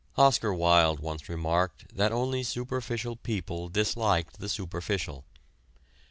Oscar Wilde once remarked that only superficial people disliked the superficial.